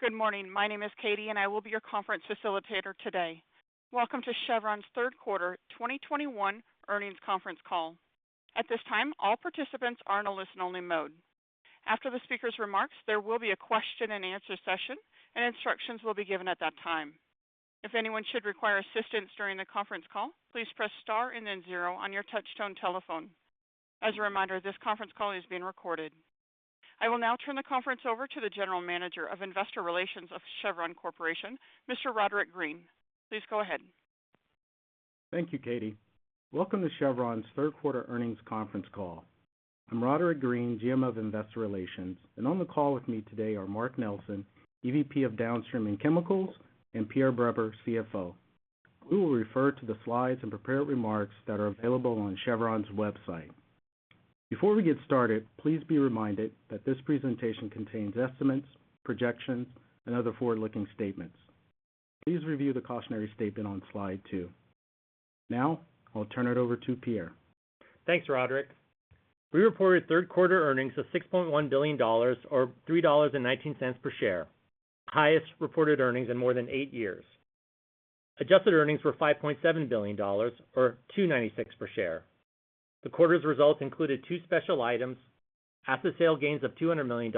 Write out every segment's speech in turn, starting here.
Good morning. My name is Katy, and I will be your conference facilitator today. Welcome to Chevron's third quarter 2021 earnings conference call. At this time, all participants are in a listen-only mode. After the speaker's remarks, there will be a question-and-answer session, and instructions will be given at that time. If anyone should require assistance during the conference call, please press star and then zero on your touch-tone telephone. As a reminder, this conference call is being recorded. I will now turn the conference over to the General Manager of Investor Relations of Chevron Corporation, Mr. Roderick Green. Please go ahead. Thank you, Katy. Welcome to Chevron's third quarter earnings conference call. I'm Roderick Green, GM of Investor Relations, and on the call with me today are Mark Nelson, EVP of Downstream and Chemicals, and Pierre Breber, CFO. We will refer to the slides and prepared remarks that are available on Chevron's website. Before we get started, please be reminded that this presentation contains estimates, projections, and other forward-looking statements. Please review the cautionary statement on slide two. Now, I'll turn it over to Pierre. Thanks, Roderick. We reported third-quarter earnings of $6.1 billion or $3.19 per share, highest reported earnings in more than eight years. Adjusted earnings were $5.7 billion or $2.96 per share. The quarter's results included two special items, asset sale gains of $200 million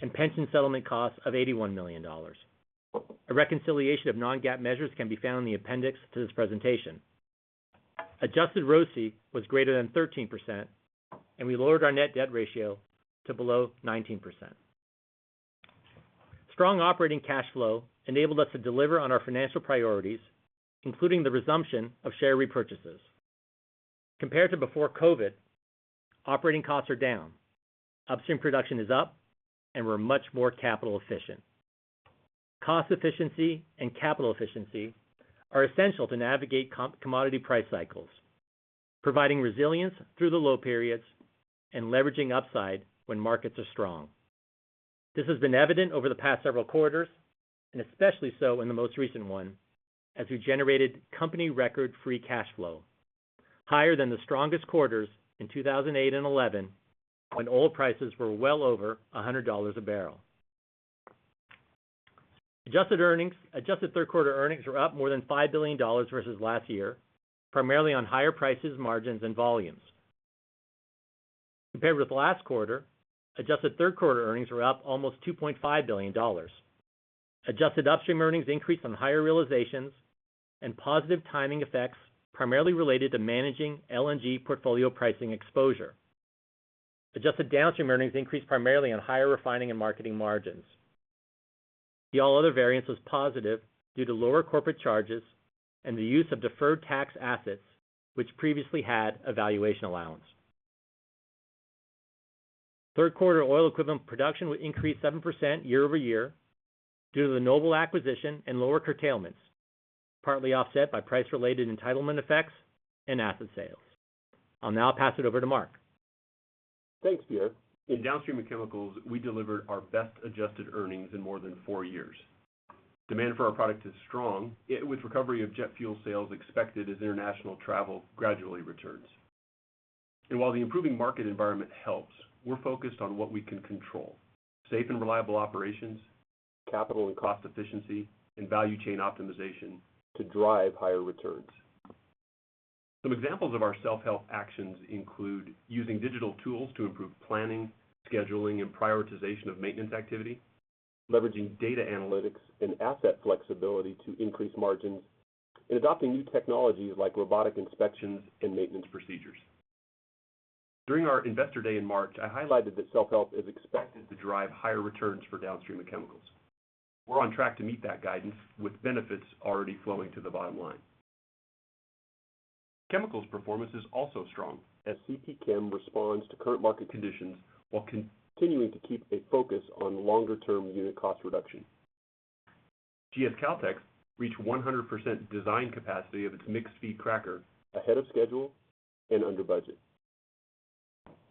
and pension settlement costs of $81 million. A reconciliation of non-GAAP measures can be found in the appendix to this presentation. Adjusted ROC was greater than 13%, and we lowered our net debt ratio to below 19%. Strong operating cash flow enabled us to deliver on our financial priorities, including the resumption of share repurchases. Compared to before COVID, operating costs are down, upstream production is up, and we're much more capital efficient. Cost efficiency and capital efficiency are essential to navigate commodity price cycles, providing resilience through the low periods and leveraging upside when markets are strong. This has been evident over the past several quarters, and especially so in the most recent one, as we generated company record free cash flow, higher than the strongest quarters in 2008 and 2011 when oil prices were well over $100 a barrel. Adjusted third-quarter earnings were up more than $5 billion versus last year, primarily on higher prices, margins, and volumes. Compared with last quarter, adjusted third-quarter earnings were up almost $2.5 billion. Adjusted upstream earnings increased on higher realizations and positive timing effects, primarily related to managing LNG portfolio pricing exposure. Adjusted downstream earnings increased primarily on higher refining and marketing margins. The all other variance was positive due to lower corporate charges and the use of deferred tax assets, which previously had a valuation allowance. Third quarter oil equivalent production increased 7% year-over-year due to the Noble acquisition and lower curtailments, partly offset by price-related entitlement effects and asset sales. I'll now pass it over to Mark. Thanks, Pierre. In Downstream and chemicals, we delivered our best adjusted earnings in more than four years. Demand for our product is strong, yet with recovery of jet fuel sales expected as international travel gradually returns. While the improving market environment helps, we're focused on what we can control, safe and reliable operations, capital and cost efficiency, and value chain optimization to drive higher returns. Some examples of our self-help actions include using digital tools to improve planning, scheduling, and prioritization of maintenance activity, leveraging data analytics and asset flexibility to increase margins, and adopting new technologies like robotic inspections and maintenance procedures. During our investor day in March, I highlighted that self-help is expected to drive higher returns for Downstream and Chemicals. We're on track to meet that guidance, with benefits already flowing to the bottom line. Chemicals' performance is also strong as CPChem responds to current market conditions while continuing to keep a focus on longer-term unit cost reduction. GS Caltex reached 100% design capacity of its mixed feed cracker ahead of schedule and under budget.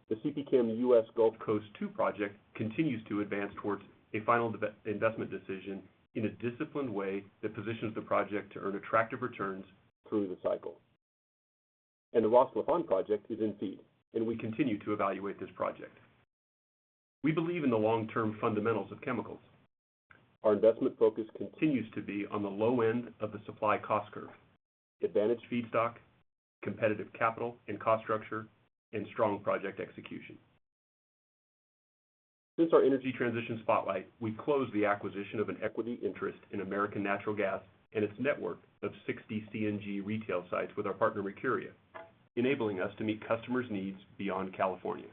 The CPChem U.S. Gulf Coast Two project continues to advance towards a final investment decision in a disciplined way that positions the project to earn attractive returns through the cycle. The Ras Laffan project is in feed, and we continue to evaluate this project. We believe in the long-term fundamentals of chemicals. Our investment focus continues to be on the low end of the supply cost curve, advantaged feedstock, competitive capital and cost structure, and strong project execution. Since our energy transition spotlight, we closed the acquisition of an equity interest in American Natural Gas (ANG) and its network of 60 CNG retail sites with our partner Mercuria, enabling us to meet customers' needs beyond California.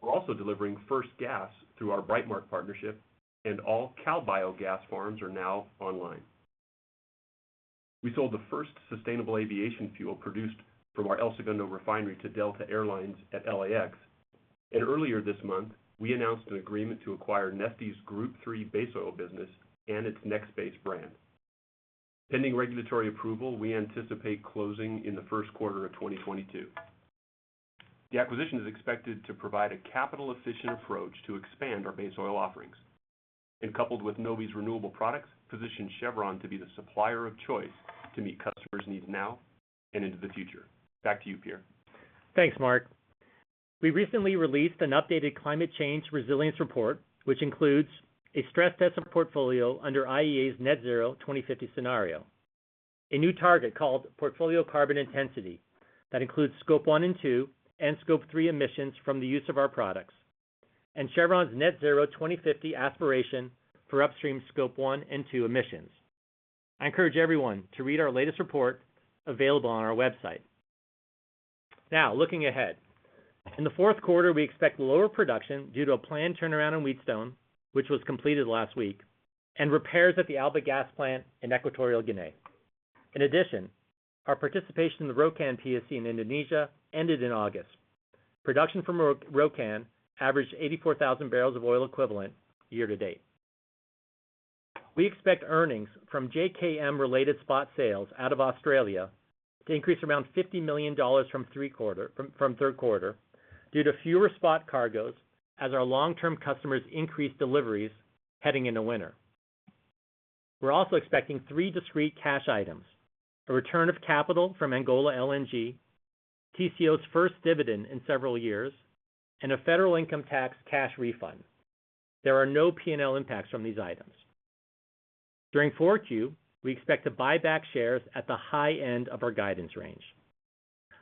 We're also delivering first gas through our Brightmark partnership, and all CalBio gas farms are now online. We sold the first sustainable aviation fuel produced from our El Segundo refinery to Delta Air Lines at LAX. Earlier this month, we announced an agreement to acquire Neste's Group III base oil business and its NEXBASE brand. Pending regulatory approval, we anticipate closing in the first quarter of 2022. The acquisition is expected to provide a capital-efficient approach to expand our base oil offerings and, coupled with Novvi Renewable products, position Chevron to be the supplier of choice to meet customers' needs now and into the future. Back to you, Pierre. Thanks, Mark. We recently released an updated climate change resilience report, which includes a stress test of portfolio under IEA's net zero 2050 scenario, a new target called "portfolio carbon intensity" that includes Scope 1 and 2 and Scope 3 emissions from the use of our products, and Chevron's net zero 2050 aspiration for upstream Scope 1 and 2 emissions. I encourage everyone to read our latest report available on our website. Now looking ahead. In the fourth quarter, we expect lower production due to a planned turnaround in Wheatstone, which was completed last week, and repairs at the Alba Gas plant in Equatorial Guinea. In addition, our participation in the Rokan PSC in Indonesia ended in August. Production from Rokan averaged 84,000 barrels of oil equivalent year to date. We expect earnings from JKM-related spot sales out of Australia to increase around $50 million from third quarter due to fewer spot cargos as our long-term customers increase deliveries heading into winter. We're also expecting 3 discrete cash items, a return of capital from Angola LNG, Tengizchevroil's first dividend in several years, and a federal income tax cash refund. There are no P&L impacts from these items. During 4Q, we expect to buy back shares at the high end of our guidance range.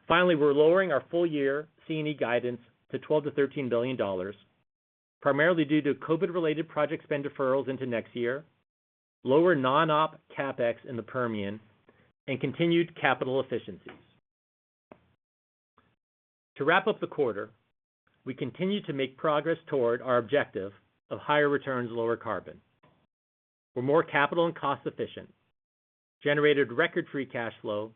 Finally, we're lowering our full year C&E guidance to $12 billion-$13 billion, primarily due to COVID-related project spend deferrals into next year, lower non-op CapEx in the Permian, and continued capital efficiencies. To wrap up the quarter, we continue to make progress toward our objective of higher returns, lower carbon. We're more capital and cost efficient, generated record free cash flow,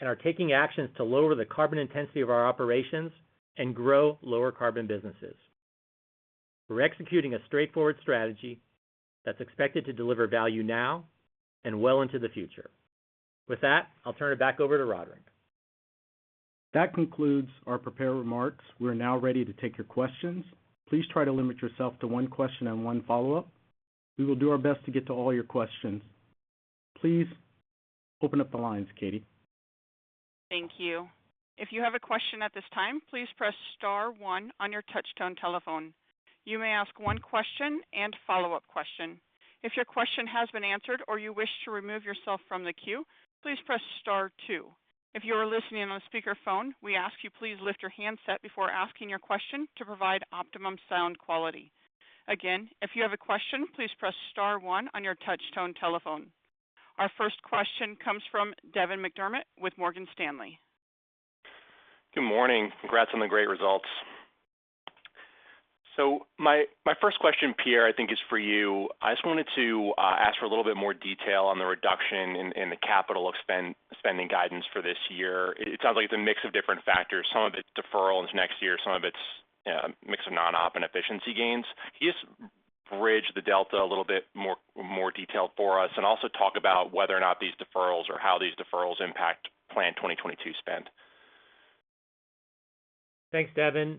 and are taking actions to lower the carbon intensity of our operations and grow lower-carbon businesses. We're executing a straightforward strategy that's expected to deliver value now and well into the future. With that, I'll turn it back over to Roderick. That concludes our prepared remarks. We're now ready to take your questions. Please try to limit yourself to one question and one follow-up. We will do our best to get to all your questions. Please open up the lines, Katy. Thank you. If you have a question at this time, please press star one on your touch-tone telephone. You may ask one question and follow-up question. If your question has been answered or you wish to remove yourself from the queue, please press star two. If you are listening on speakerphone, we ask you please lift your handset before asking your question to provide optimum sound quality. Again, if you have a question, please press star one on your touch-tone telephone. Our first question comes from Devin McDermott with Morgan Stanley. Good morning. Congrats on the great results. My first question, Pierre, I think is for you. I just wanted to ask for a little bit more detail on the reduction in the capital spending guidance for this year. It sounds like it's a mix of different factors. Some of it's deferrals next year, some of it's mix of non-op and efficiency gains. Can you just bridge the delta a little bit more detail for us and also talk about whether or not these deferrals or how these deferrals impact plan 2022 spend? Thanks, Devin.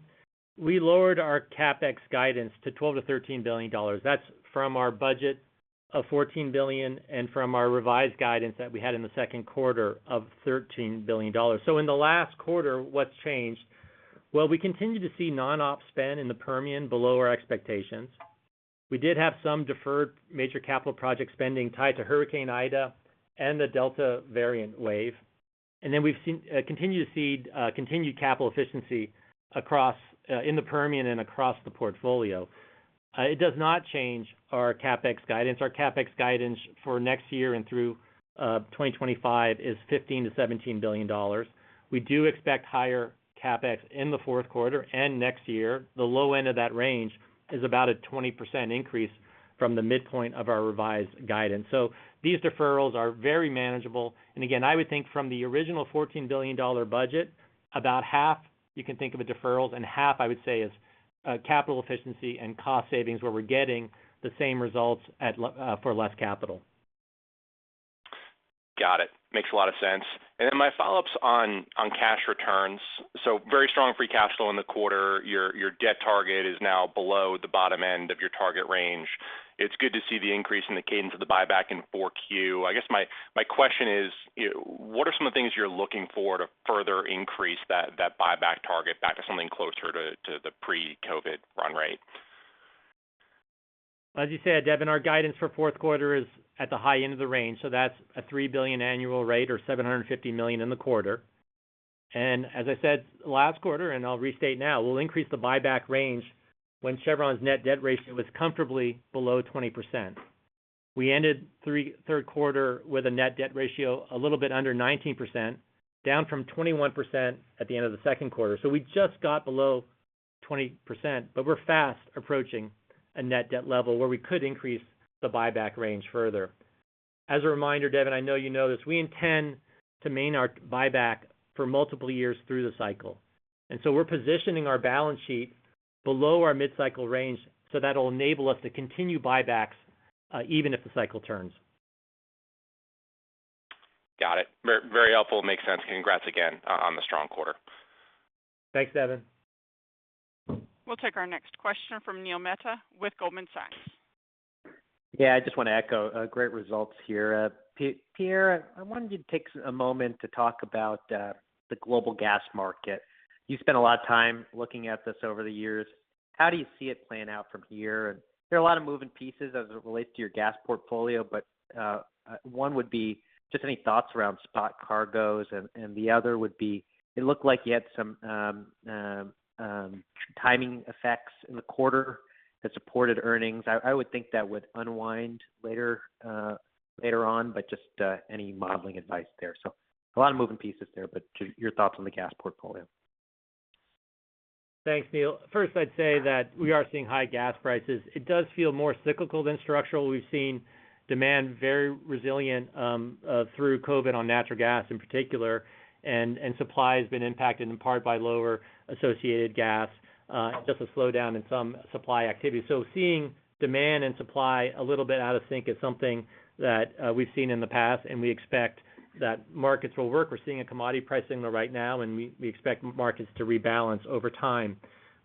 We lowered our CapEx guidance to $12 billion-$13 billion. That's from our budget of $14 billion and from our revised guidance that we had in the second quarter of $13 billion. In the last quarter, what's changed? Well, we continue to see non-op spend in the Permian below our expectations. We did have some deferred major capital project spending tied to Hurricane Ida and the Delta variant wave. We've seen continued capital efficiency across in the Permian and across the portfolio. It does not change our CapEx guidance. Our CapEx guidance for next year and through 2025 is $15 billion-$17 billion. We do expect higher CapEx in the fourth quarter and next year. The low end of that range is about a 20% increase from the midpoint of our revised guidance. These deferrals are very manageable. Again, I would think from the original $14 billion budget, about half you can think of as deferrals and half I would say is capital efficiency and cost savings where we're getting the same results for less capital. Got it. Makes a lot of sense. Then my follow-up's on cash returns. Very strong free cash flow in the quarter. Your debt target is now below the bottom end of your target range. It's good to see the increase in the cadence of the buyback in 4Q. I guess my question is, you know, what are some of the things you're looking for to further increase that buyback target back to something closer to the pre-COVID run rate? As you said, Devin, our guidance for fourth quarter is at the high end of the range, so that's a $3 billion annual rate or $750 million in the quarter. As I said last quarter, and I'll restate now, we'll increase the buyback range when Chevron's net debt ratio is comfortably below 20%. We ended third quarter with a net debt ratio a little bit under 19%, down from 21% at the end of the second quarter. We just got below 20%, but we're fast approaching a net debt level where we could increase the buyback range further. As a reminder, Devin, I know you know this: we intend to maintain our buyback for multiple years through the cycle, and so we're positioning our balance sheet below our mid-cycle range so that'll enable us to continue buybacks even if the cycle turns. Got it. Very, very helpful. Makes sense. Congrats again on the strong quarter. Thanks, Devin. We'll take our next question from Neil Mehta with Goldman Sachs. Yeah, I just wanna echo great results here. Pierre, I wanted you to take a moment to talk about the global gas market. You spent a lot of time looking at this over the years. How do you see it playing out from here? There are a lot of moving pieces as it relates to your gas portfolio, but one would be just any thoughts around spot cargoes, and the other would be it looked like you had some timing effects in the quarter that supported earnings. I would think that would unwind later on, but just any modeling advice there. A lot of moving pieces there, but your thoughts on the gas portfolio? Thanks, Neil. First, I'd say that we are seeing high gas prices. It does feel more cyclical than structural. We've seen demand very resilient through COVID on natural gas in particular. Supply has been impacted in part by lower associated gas just a slowdown in some supply activity. Seeing demand and supply a little bit out of sync is something that we've seen in the past, and we expect that markets will work. We're seeing a commodity price signal right now, and we expect markets to rebalance over time.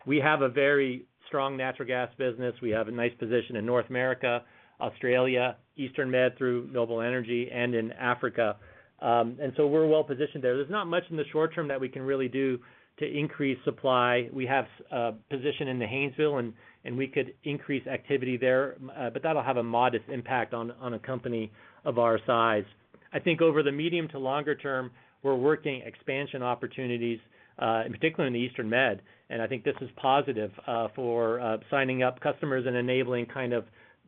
We have a very strong natural gas business. We have a nice position in North America, Australia, Eastern Med through Noble Energy and in Africa. We're well-positioned there. There's not much in the short term that we can really do to increase supply. We have a position in the Haynesville, and we could increase activity there, but that'll have a modest impact on a company of our size. I think over the medium to longer term, we're working expansion opportunities, in particular in the Eastern Med. and I think this is positive for signing up customers and enabling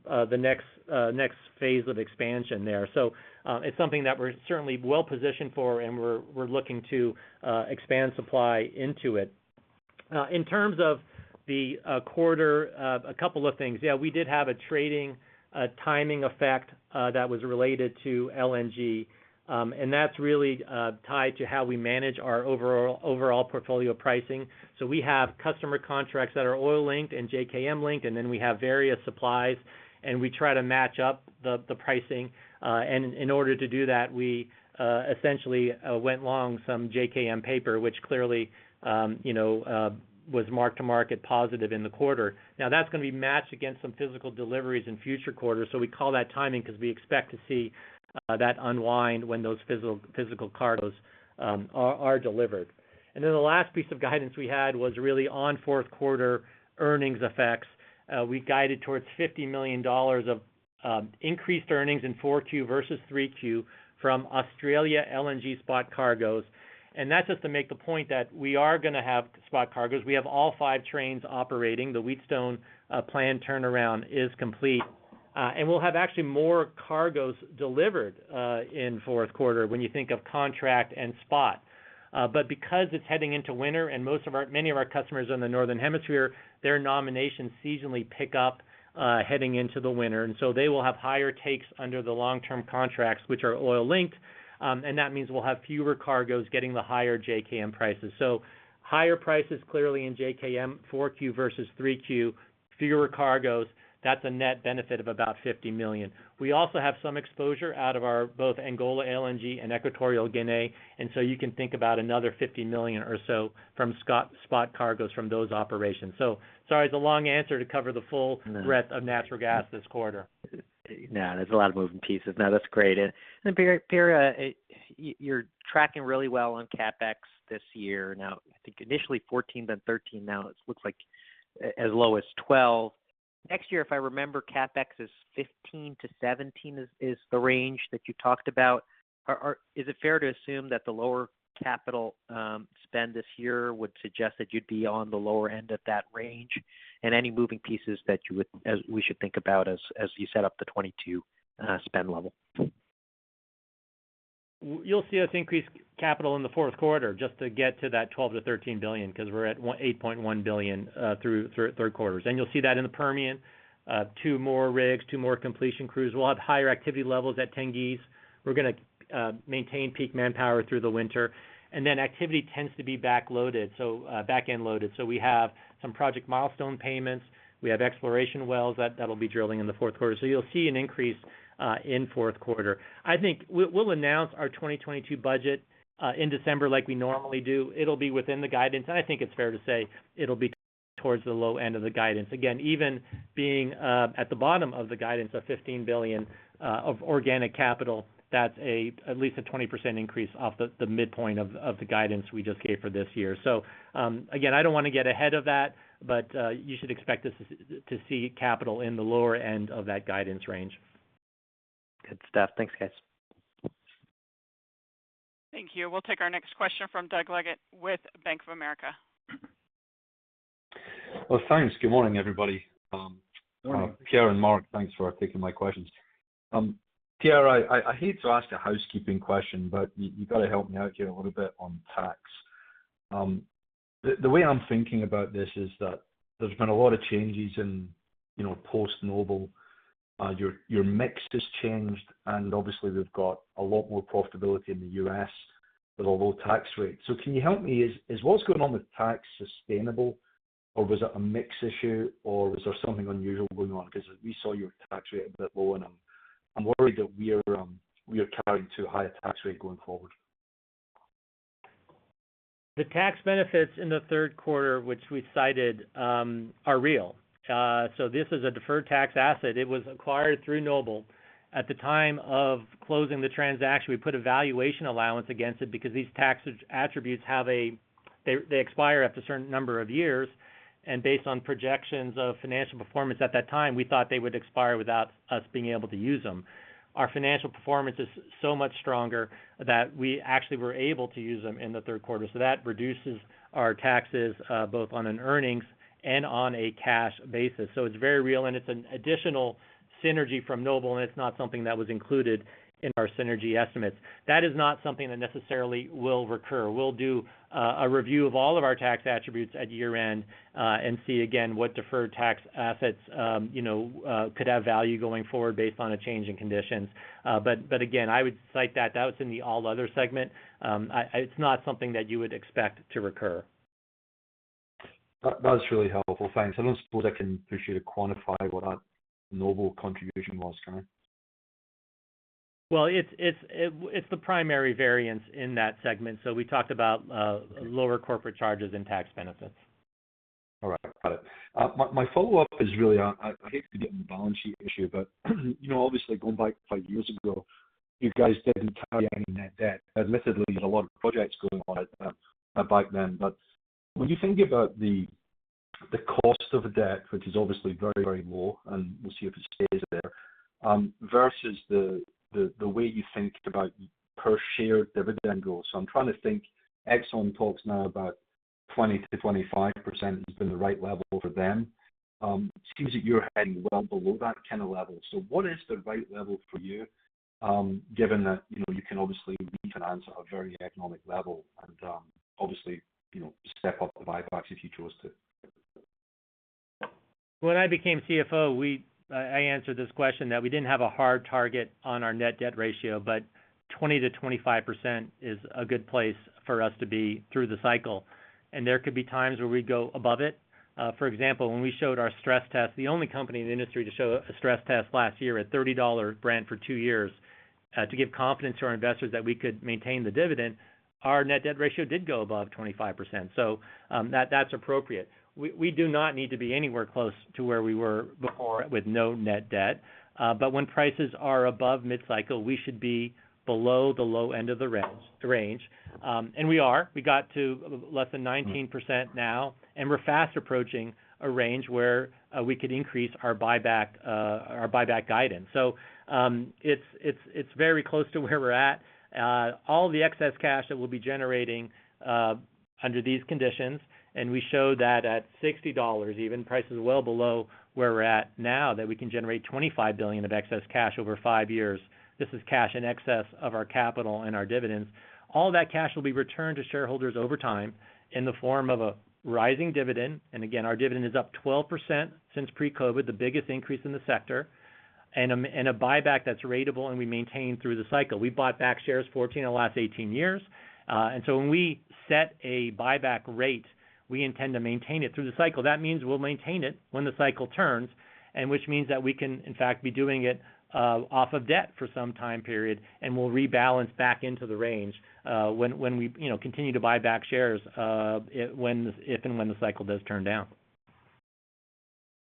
the next phase of expansion there. It's something that we're certainly well-positioned for, and we're looking to expand supply into it. In terms of the quarter, a couple of things. Yeah, we did have a trading timing effect that was related to LNG, and that's really tied to how we manage our overall portfolio pricing. We have customer contracts that are OI-linked and JKM-linked, and then we have various supplies, and we try to match up the pricing. In order to do that, we essentially went long some JKM paper, which clearly, you know, was mark-to-market positive in the quarter. Now, that's gonna be matched against some physical deliveries in future quarters, so we call that timing because we expect to see that unwind when those physical cargoes are delivered. The last piece of guidance we had was really on fourth quarter earnings effects. We guided towards $50 million of increased earnings in 4Q versus 3Q from Australia LNG spot cargoes. That's just to make the point that we are gonna have spot cargoes. We have all five trains operating. The Wheatstone planned turnaround is complete. We'll have actually more cargoes delivered in fourth quarter when you think of contract and spot. Because it's heading into winter and many of our customers are in the Northern Hemisphere, their nominations seasonally pick up heading into the winter. They will have higher takes under the long-term contracts, which are oil-linked, and that means we'll have fewer cargoes getting the higher JKM prices. Higher prices clearly in JKM Q4 versus Q3, fewer cargoes, -that's a net benefit of about $50 million. We also have some exposure out of both our Angola LNG and Equatorial Guinea, and you can think about another $50 million or so from spot cargoes from those operations. Sorry, it's a long answer to cover the full breadth of natural gas this quarter. Now, there's a lot of moving pieces. Now, that's great. Then Pierre, you're tracking really well on CapEx this year. Now, I think initially 14, then 13; now it looks like as low as 12. Next year, if I remember, CapEx is 15-17, is the range that you talked about. Is it fair to assume that the lower capital spend this year would suggest that you'd be on the lower end of that range? Any moving pieces that we should think about as you set up the 2022 spend level? You'll see us increase capital in the fourth quarter just to get to that $12 billion-$13 billion because we're at $8.1 billion through third quarter. You'll see that in the Permian two more rigs, two more completion crews. We'll have higher activity levels at Tengiz. We're gonna maintain peak manpower through the winter. Activity tends to be backloaded, backend loaded. We have some project milestone payments. We have exploration wells that'll be drilling in the fourth quarter. You'll see an increase in fourth quarter. I think we'll announce our 2022 budget in December like we normally do. It'll be within the guidance. I think it's fair to say it'll be towards the low end of the guidance. Again, even being at the bottom of the guidance of $15 billion of organic capital, that's at least a 20% increase off the midpoint of the guidance we just gave for this year. Again, I don't wanna get ahead of that, but you should expect us to see capital in the lower end of that guidance range. Good stuff. Thanks, guys. Thank you. We'll take our next question from Doug Leggate with Bank of America. Well, thanks. Good morning, everybody. Good morning. Pierre and Mark, thanks for taking my questions. Pierre, I hate to ask a housekeeping question, but you gotta help me out here a little bit on tax. The way I'm thinking about this is that there's been a lot of changes in, you know, post-Noble. Your mix has changed, and obviously we've got a lot more profitability in the U.S. with a low tax rate. Can you help me, is what's going on with tax sustainable, or was it a mix issue, or was there something unusual going on? Because we saw your tax rate a bit low, and I'm worried that we are carrying too high a tax rate going forward. The tax benefits in the third quarter, which we cited, are real. This is a deferred tax asset. It was acquired through Noble. At the time of closing the transaction, we put a valuation allowance against it because these tax attributes expire after a certain number of years. Based on projections of financial performance at that time, we thought they would expire without us being able to use them. Our financial performance is so much stronger that we actually were able to use them in the third quarter. That reduces our taxes, both on an earnings and on a cash basis. It's very real, and it's an additional synergy from Noble, and it's not something that was included in our synergy estimates. That is not something that necessarily will recur. We'll do a review of all of our tax attributes at year-end and see again what deferred tax assets, you know, could have value going forward based on a change in conditions. Again, I would cite that. That was in the "All Other" segment. It's not something that you would expect to recur. That's really helpful. Thanks. I don't suppose I can push you to quantify what that Noble contribution was, can I? Well, it's the primary variance in that segment. We talked about lower corporate charges and tax benefits. All right. Got it. My follow-up is really, I hate to get in the balance sheet issue, but you know, obviously going back five years ago, you guys didn't carry any net debt. Admittedly, you had a lot of projects going on back then. When you think about the cost of the debt, which is obviously very, very low, and we'll see if it stays there, versus the way you think about per-share dividend goals. I'm trying to think; Exxon talks now about 20%-25% has been the right level for them. It seems that you're heading well below that kind of level. What is the right level for you, given that, you know, you can obviously refinance at a very economic level and, obviously, you know, step up the buybacks if you chose to? When I became CFO, I answered this question: we didn't have a hard target on our net debt ratio, but 20%-25% is a good place for us to be through the cycle. There could be times where we go above it. For example, when we showed our stress test, the only company in the industry to show a stress test last year at $30 Brent for two years, to give confidence to our investors that we could maintain the dividend, our net debt ratio did go above 25%. That's appropriate. We do not need to be anywhere close to where we were before with no net debt. But when prices are above mid-cycle, we should be below the low end of the range. We are. We got to less than 19% now, and we're fast approaching a range where we could increase our buyback guidance. It's very close to where we're at. All the excess cash that we'll be generating under these conditions, and we show that at $60 even, prices well below where we're at now, that we can generate $25 billion of excess cash over 5 years. This is cash in excess of our capital and our dividends. All that cash will be returned to shareholders over time in the form of a rising dividend. Again, our dividend is up 12% since pre-COVID, the biggest increase in the sector, and a buyback that's ratable and we maintain through the cycle. We bought back shares 14 of the last 18 years. When we set a buyback rate, we intend to maintain it through the cycle. That means we'll maintain it when the cycle turns, and which means that we can, in fact, be doing it off of debt for some time period, and we'll rebalance back into the range when we, you know, continue to buy back shares if and when the cycle does turn down.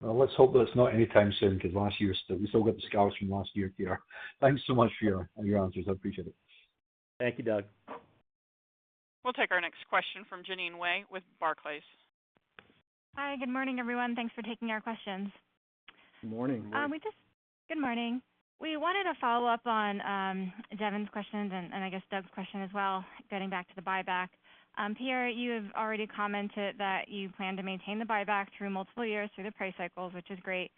Well, let's hope that it's not anytime soon, 'cause last year, we still got the scars from last year, Pierre. Thanks so much for your answers. I appreciate it. Thank you, Doug. We'll take our next question from Jeanine Wai with Barclays. Hi. Good morning, everyone. Thanks for taking our questions. Good morning. Good morning. We wanted to follow up on Devin's questions and I guess Doug's question as well, getting back to the buyback. Pierre, you have already commented that you plan to maintain the buyback through multiple years through the price cycles, which is great.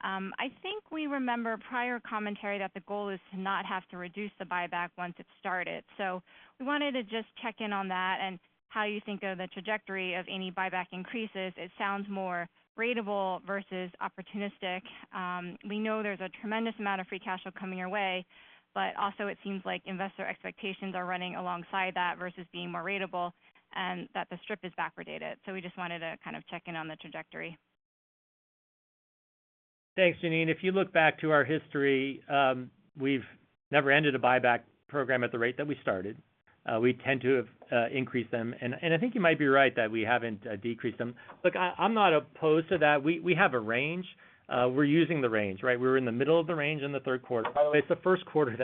I think we remember prior commentary that the goal is to not have to reduce the buyback once it's started. We wanted to just check in on that and how you think of the trajectory of any buyback increases. It sounds more ratable versus opportunistic. We know there's a tremendous amount of free cash flow coming your way, but also it seems like investor expectations are running alongside that versus being more ratable, that the strip is backward dated. We just wanted to kind of check in on the trajectory. Thanks, Jeanine. If you look back to our history, we've never ended a buyback program at the rate that we started. We tend to increase them. I think you might be right that we haven't decreased them. Look, I'm not opposed to that. We have a range. We're using the range, right? We were in the middle of the range in the third quarter. By the way, it's the first quarter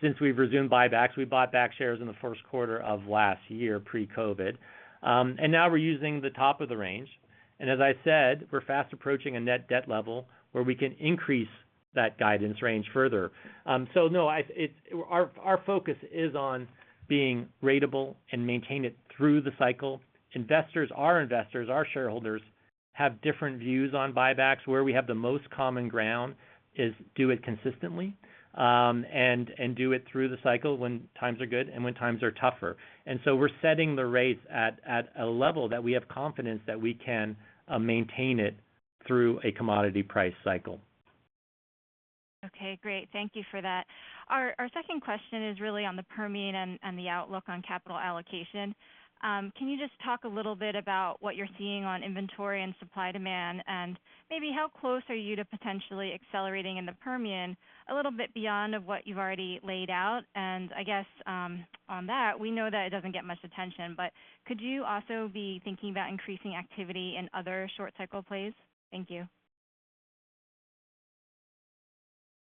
since we've resumed buybacks. We bought back shares in the first quarter of last year, pre-COVID. Now we're using the top of the range. As I said, we're fast approaching a net debt level where we can increase that guidance range further. No. Our focus is on being rateable and maintain it through the cycle. Investors, our investors, our shareholders have different views on buybacks. Where we have the most common ground is do it consistently, and do it through the cycle when times are good and when times are tougher. We're setting the rates at a level that we have confidence that we can maintain it through a commodity price cycle. Okay, great. Thank you for that. Our second question is really on the Permian and the outlook on capital allocation. Can you just talk a little bit about what you're seeing on inventory and supply demand? And maybe how close are you to potentially accelerating in the Permian a little bit beyond of what you've already laid out? I guess, on that, we know that it doesn't get much attention, but could you also be thinking about increasing activity in other short cycle plays? Thank you.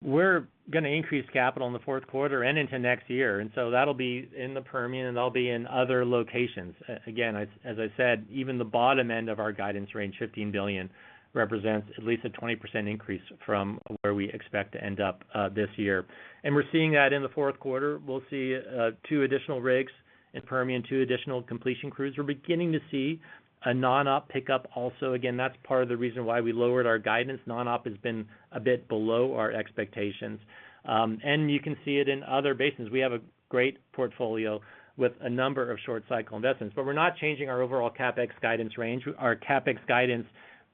We're gonna increase capital in the fourth quarter and into next year. That'll be in the Permian, and there'll be in other locations. As I said, even the bottom end of our guidance range, $15 billion, represents at least a 20% increase from where we expect to end up this year. We're seeing that in the fourth quarter. We'll see 2 additional rigs in Permian, 2 additional completion crews. We're beginning to see a non-op pickup also. Again, that's part of the reason why we lowered our guidance. Non-op has been a bit below our expectations. You can see it in other basins. We have a great portfolio with a number of short cycle investments. We're not changing our overall CapEx guidance range. Our CapEx guidance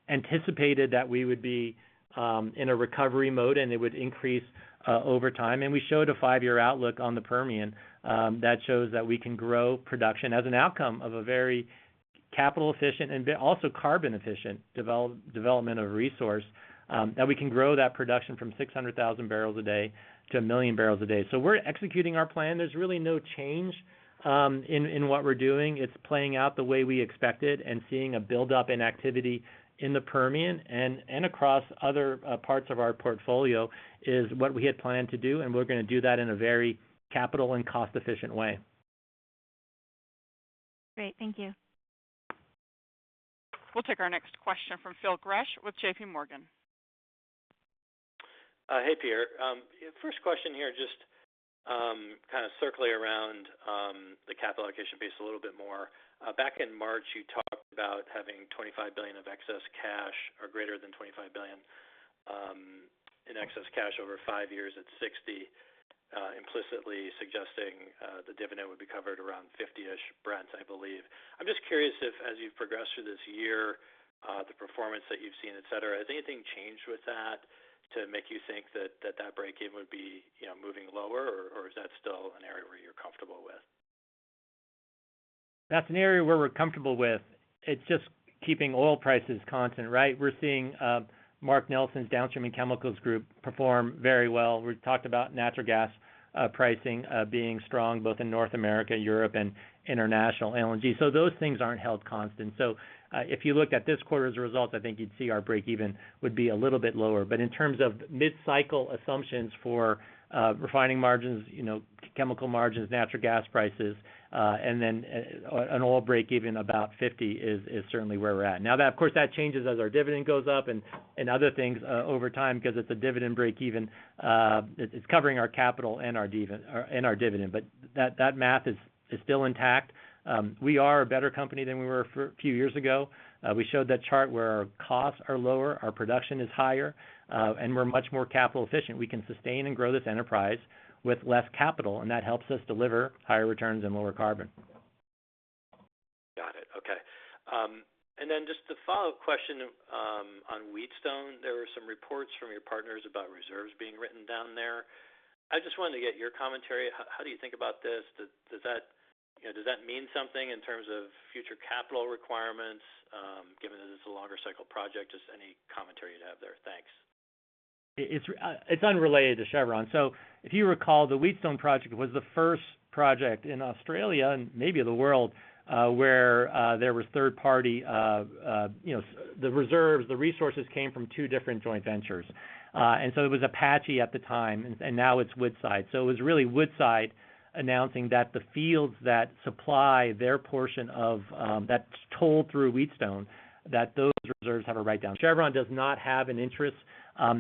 anticipated that we would be in a recovery mode, and it would increase over time. We showed a five-year outlook on the Permian that shows that we can grow production as an outcome of a very capital-efficient and also carbon-efficient development of resource that we can grow that production from 600,000 barrels a day to 1 million barrels a day. We're executing our plan. There's really no change in what we're doing. It's playing out the way we expected and seeing a buildup in activity in the Permian and across other parts of our portfolio is what we had planned to do, and we're gonna do that in a very capital- and cost-efficient way. Great. Thank you. We'll take our next question from Phil Gresh with JPMorgan. Hey, Pierre. First question here, just kind of circling around the capital allocation piece a little bit more. Back in March, you talked about having $25 billion of excess cash or greater than $25 billion in excess cash over five years at $60, implicitly suggesting the dividend would be covered around $50-ish Brent, I believe. I'm just curious if, as you've progressed through this year, the performance that you've seen, et cetera, has anything changed with that to make you think that breakeven would be moving lower, or is that still an area where you're comfortable with? That's an area where we're comfortable with. It's just keeping oil prices constant, right? We're seeing Mark Nelson's Downstream and Chemicals group perform very well. We talked about natural gas pricing being strong both in North America, Europe, and international LNG. Those things aren't held constant. If you looked at this quarter's results, I think you'd see our breakeven would be a little bit lower. But in terms of mid-cycle assumptions for refining margins, you know, chemical margins, natural gas prices, and then an oil breakeven about $50 is certainly where we're at. Now that, of course, changes as our dividend goes up and other things over time 'cause it's a dividend breakeven. It's covering our capital and our dividend, but that math is still intact. We are a better company than we were for a few years ago. We showed that chart where our costs are lower, our production is higher, and we're much more capita-efficient.. We can sustain and grow this enterprise with less capital, and that helps us deliver higher returns and lower carbon. Got it. Okay. Just a follow-up question on Wheatstone. There were some reports from your partners about reserves being written down there. I just wanted to get your commentary. How do you think about this? Does that, you know, mean something in terms of future capital requirements, given that it's a longer cycle project? Just any commentary you'd have there. Thanks. It's unrelated to Chevron. If you recall, the Wheatstone project was the first project in Australia, and maybe the world, where there was third-party, you know, the reserves, the resources came from two different joint ventures. It was Apache at the time, and now it's Woodside. It was really Woodside announcing that the fields that supply their portion of that toll through Wheatstone, that those reserves have a write-down. Chevron does not have an interest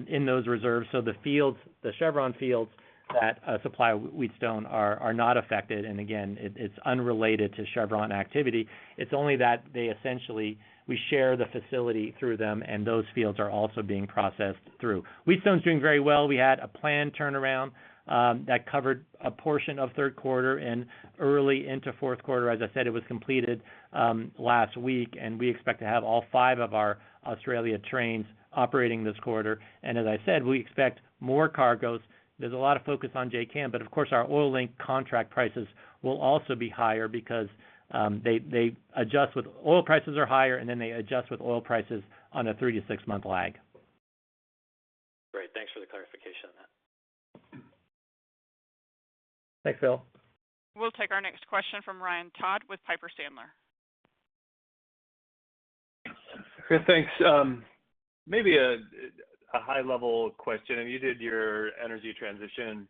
in those reserves, so the fields, the Chevron fields that supply Wheatstone, are not affected. Again, it's unrelated to Chevron activity. It's only that they essentially, we share the facility through them, and those fields are also being processed through. Wheatstone's doing very well. We had a planned turnaround that covered a portion of third quarter and early into fourth quarter. As I said, it was completed last week, and we expect to have all 5 of our Australia trains operating this quarter. As I said, we expect more cargoes. There's a lot of focus on JKM, but of course, our oil-linked contract prices will also be higher because they adjust with oil prices are higher, and then they adjust with oil prices on a 3- to 6-month lag. Great. Thanks for the clarification on that. Thanks, Phil. We'll take our next question from Ryan Todd with Piper Sandler. Great. Thanks. Maybe a high-level question. You did your energy transition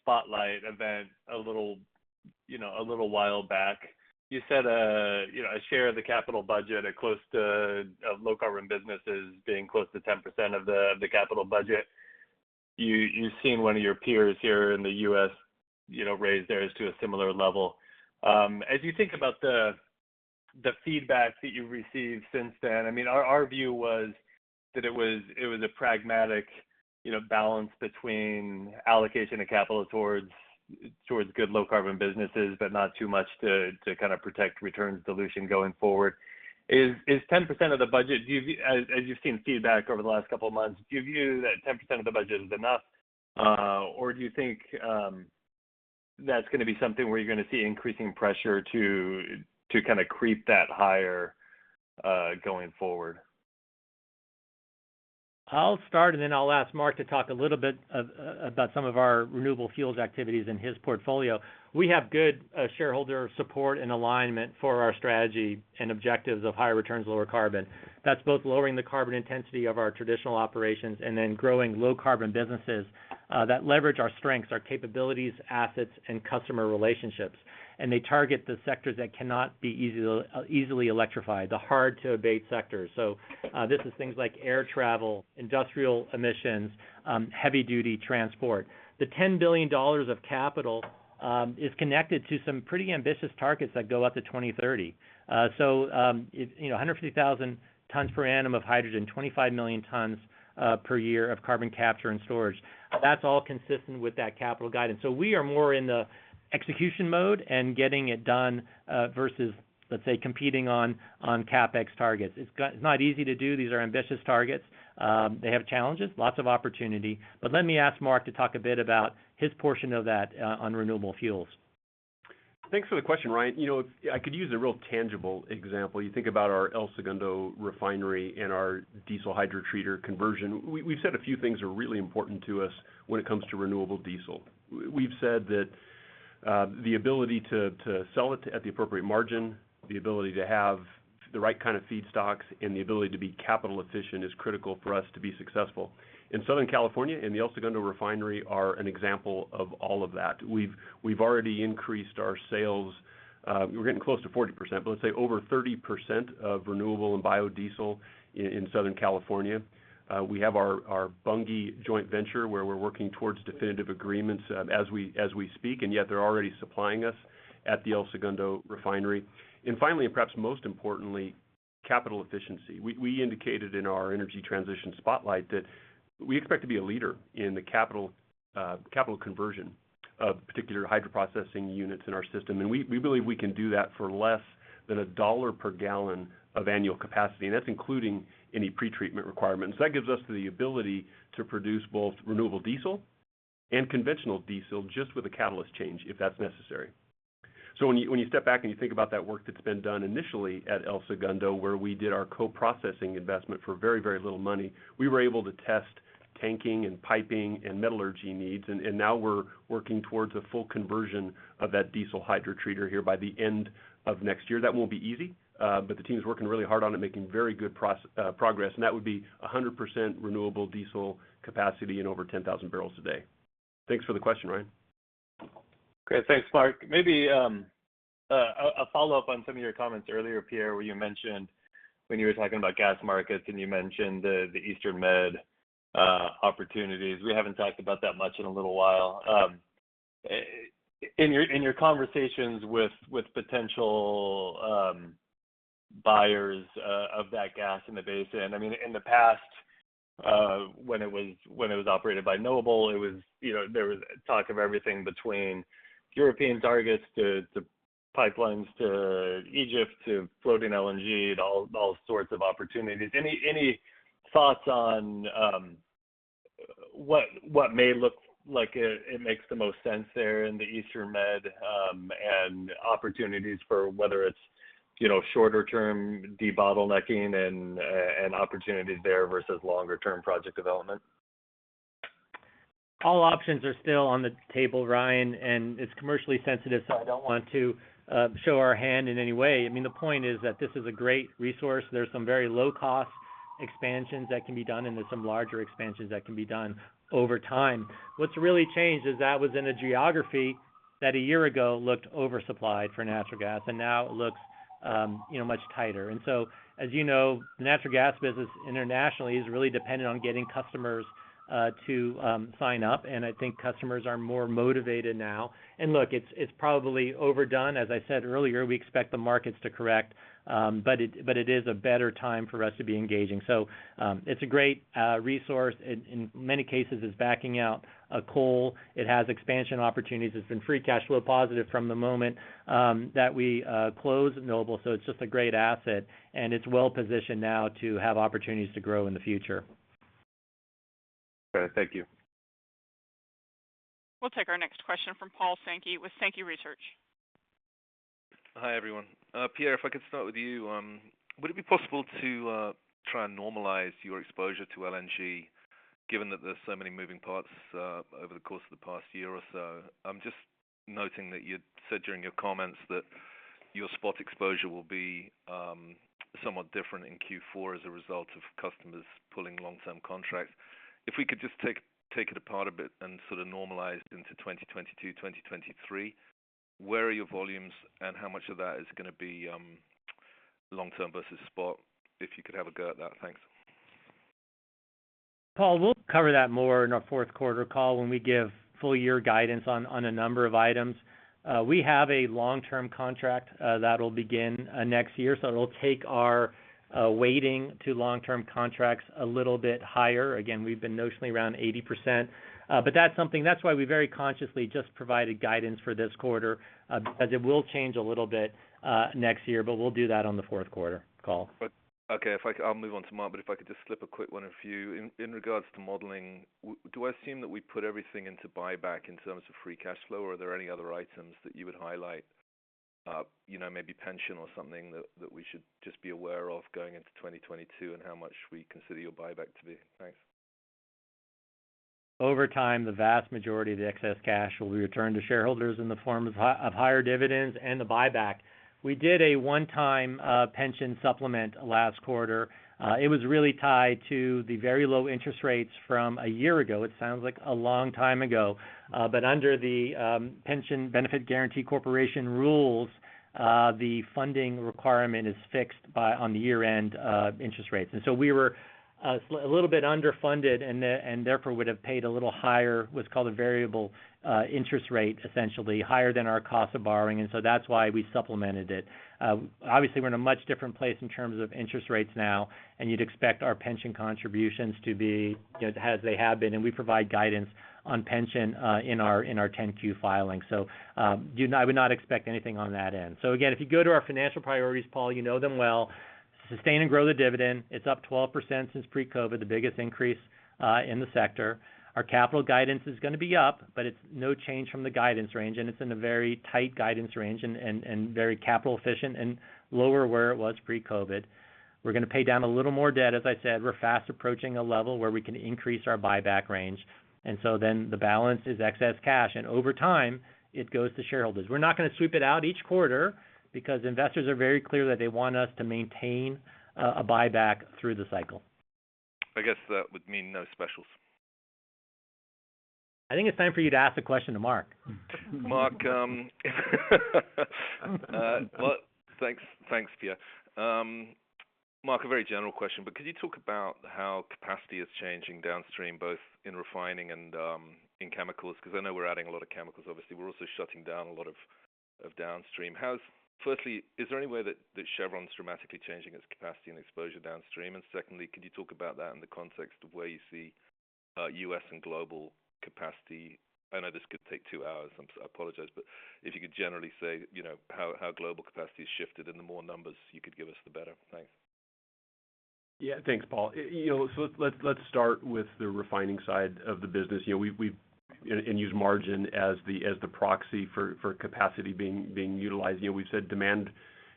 spotlight event a little, you know, a little while back. You said, you know, a share of the capital budget at close to low carbon businesses being close to 10% of the capital budget. You've seen one of your peers here in the U.S. raise theirs to a similar level. As you think about the feedback that you've received since then, I mean, our view was that it was a pragmatic, you know, balance between allocation of capital towards good low carbonbusinesses butt not too much to kind of protect returns dilution going forward. Is 10% of the budget... As you've seen feedback over the last couple of months, do you view that 10% of the budget is enough, or do you think that's gonna be something where you're gonna see increasing pressure to kind of creep that higher going forward? I'll start, and then I'll ask Mark to talk a little bit about some of our renewable fuels activities in his portfolio. We have good shareholder support and alignment for our strategy and objectives of higher returns, lower carbon. That's both lowering the carbon intensity of our traditional operations and then growing low carbon businesses that leverage our strengths, our capabilities, assets, and customer relationships. They target the sectors that cannot be easily electrified, the hard-to-abate sectors. This is things like air travel, industrial emissions, heavy-duty transport. The $10 billion of capital is connected to some pretty ambitious targets that go out to 2030. You know, 150,000 tons per annum of hydrogen, 25 million tons per year of carbon capture and storage. That's all consistent with that capital guidance. We are more in the execution mode and getting it done versus, let's say, competing on CapEx targets. It's not easy to do. These are ambitious targets. They have challenges, lots of opportunity. Let me ask Mark to talk a bit about his portion of that on renewable fuels. Thanks for the question, Ryan. You know, if I could use a real tangible example. You think about our El Segundo refinery and our diesel hydrotreater conversion. We've said a few things are really important to us when it comes to renewable diesel. We've said that the ability to sell it at the appropriate margin, the ability to have the right kind of feedstocks, and the ability to be capital efficient is critical for us to be successful. In Southern California and the El Segundo refinery are an example of all of that. We've already increased our sales. We're getting close to 40%, but let's say over 30% of renewable and biodiesel in Southern California. We have our Bunge joint venture, where we're working towards definitive agreements as we speak, and yet they're already supplying us at the El Segundo refinery. Finally, and perhaps most importantly, capital efficiency. We indicated in our energy transition spotlight that we expect to be a leader in the capital conversion of particular hydroprocessing units in our system. We believe we can do that for less than $1 per gallon of annual capacity, and that's including any pretreatment requirements. That gives us the ability to produce both renewable diesel and conventional diesel just with a catalyst change if that's necessary. When you step back and you think about that work that's been done initially at El Segundo, where we did our co-processing investment for very, very little money, we were able to test tanking and piping and metallurgy needs, and now we're working towards a full conversion of that diesel hydrotreater here by the end of next year. That won't be easy, but the team is working really hard on it, making very good progress, and that would be 100% renewable diesel capacity and over 10,000 barrels a day. Thanks for the question, Ryan. Great. Thanks, Mark. Maybe a follow-up on some of your comments earlier, Pierre, where you mentioned when you were talking about gas markets and you mentioned the Eastern Med opportunities. We haven't talked about that much in a little while. In your conversations with potential buyers of that gas in the basin, I mean, in the past, when it was operated by Noble, it was, you know, there was talk of everything between European targets to pipelines to Egypt to floating LNG and all sorts of opportunities. Any thoughts on what may look like it makes the most sense there in the Eastern Med and opportunities for, whether it's, you know, shorter-term debottlenecking and opportunities there versus longer-term project development? All options are still on the table, Ryan, and it's commercially sensitive, so I don't want to show our hand in any way. I mean, the point is that this is a great resource. There's some very low-cost expansions that can be done, and there's some larger expansions that can be done over time. What's really changed is that was in a geography that a year ago looked oversupplied for natural gas, and now it looks, you know, much tighter. As you know, the natural gas business internationally is really dependent on getting customers to sign up, and I think customers are more motivated now. Look, it's probably overdone. As I said earlier, we expect the markets to correct, but it is a better time for us to be engaging. It's a great resource. In many cases, it's backing out coal. It has expansion opportunities. It's been free cash flow positive from the moment that we closed Noble. It's just a great asset, and it's well-positioned now to have opportunities to grow in the future. Great. Thank you. We'll take our next question from Paul Sankey with Sankey Research. Hi, everyone. Pierre, if I could start with you. Would it be possible to try and normalize your exposure to LNG, given that there's so many moving parts over the course of the past year or so? I'm just noting that you said during your comments that your spot exposure will be somewhat different in Q4 as a result of customers pulling long-term contracts. If we could just take it apart a bit and sort of normalize into 2022, 2023, where are your volumes, and how much of that is gonna be long-term versus spot, if you could have a go at that? Thanks. Paul, we'll cover that more in our fourth quarter call when we give full-year guidance on a number of items. We have a long-term contract that will begin next year. It'll take our weighting to long-term contracts a little bit higher. Again, we've been notionally around 80%. But that's why we very consciously just provided guidance for this quarter, as it will change a little bit next year, but we'll do that on the fourth quarter call. Okay. I'll move on to Mark, but if I could just slip a quick one in to you. In regards to modeling, do I assume that we put everything into buyback in terms of free cash flow, or are there any other items that you would highlight? You know, maybe pension or something that we should just be aware of going into 2022 and how much we consider your buyback to be. Thanks. Over time, the vast majority of the excess cash will be returned to shareholders in the form of higher dividends and the buyback. We did a one-time pension supplement last quarter. It was really tied to the very low interest rates from a year ago. It sounds like a long time ago. Under the Pension Benefit Guaranty Corporation rules, the funding requirement is fixed based on the year-end interest rates. We were a little bit underfunded and therefore would have paid a little higher, what's called a "variable interest rate," essentially higher than our cost of borrowing. That's why we supplemented it. Obviously, we're in a much different place in terms of interest rates now, and you'd expect our pension contributions to be, you know, as they have been, and we provide guidance on pension in our 10-Q filing. I would not expect anything on that end. Again, if you go to our financial priorities, Paul, you know them well. Sustain and grow the dividend. It's up 12% since pre-COVID, the biggest increase in the sector. Our capital guidance is gonna be up, but it's no change from the guidance range, and it's in a very tight guidance range and very capital efficient and lower where it was pre-COVID. We're gonna pay down a little more debt, as I said. We're fast approaching a level where we can increase our buyback range. The balance is excess cash. Over time, it goes to shareholders. We're not gonna sweep it out each quarter because investors are very clear that they want us to maintain a buyback through the cycle. I guess that would mean no specials. I think it's time for you to ask a question to Mark. Mark, well, thanks, Pierre. Mark, a very general question, but could you talk about how capacity is changing downstream, both in refining and in chemicals? 'Cause I know we're adding a lot of chemicals, obviously. We're also shutting down a lot of downstream. Firstly, is there any way that Chevron's dramatically changing its capacity and exposure downstream? And secondly, could you talk about that in the context of where you see U.S. and global capacity? I know this could take two hours. I apologize, but if you could generally say, you know, how global capacity has shifted, and the more numbers you could give us, the better. Thanks. Yeah. Thanks, Paul. You know, so let's start with the refining side of the business. You know, we've... Use margin as the proxy for capacity being utilized. You know, we've said demand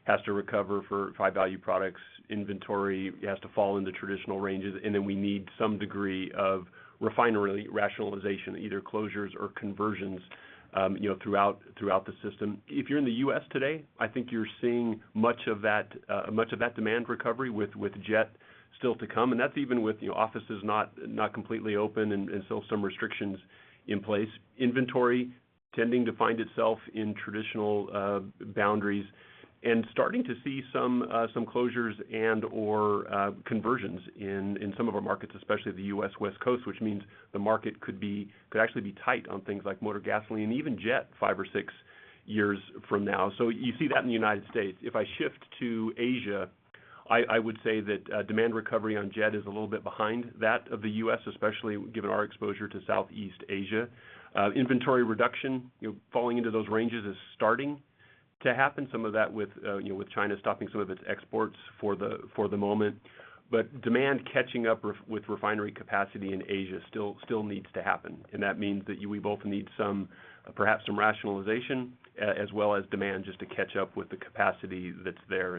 has to recover for high-value products. Inventory has to fall into traditional ranges. We need some degree of refinery rationalization, either closures or conversions, you know, throughout the system. If you're in the U.S. today, I think you're seeing much of that demand recovery with jet still to come. That's even with, you know, offices not completely open and still some restrictions in place. Inventory tending to find itself in traditional boundaries. Starting to see some closures and/or conversions in some of our markets, especially the U.S. West Coast, which means the market could actually be tight on things like motor gasoline, even jet five or six years from now. You see that in the United States. If I shift to Asia, I would say that demand recovery on jet is a little bit behind that of the U.S., especially given our exposure to Southeast Asia. Inventory reduction, you know, falling into those ranges, is starting to happen. Some of that with, you know, with China stopping some of its exports for the moment. Demand catching up with refinery capacity in Asia still needs to happen. That means that we both need some, perhaps some rationalization, as well as demand just to catch up with the capacity that's there.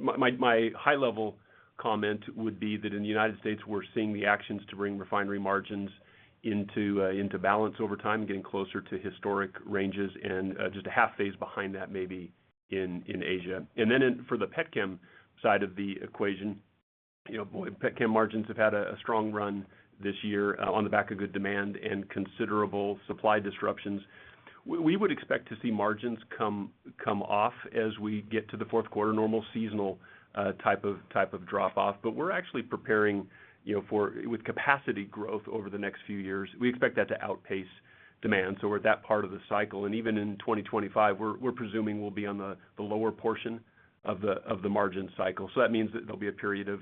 My high-level comment would be that in the United States, we're seeing the actions to bring refinery margins into balance over time, getting closer to historic ranges, and just a half phase behind that maybe in Asia. For the petchem side of the equation, you know, petchem margins have had a strong run this year on the back of good demand and considerable supply disruptions. We would expect to see margins come off as we get to the fourth quarter, normal seasonal type of drop-off. But we're actually preparing, you know, for with capacity growth over the next few years. We expect that to outpace demand, so we're at that part of the cycle. Even in 2025, we're presuming we'll be on the lower portion of the margin cycle. That means there'll be a period of